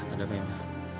ada apa ibu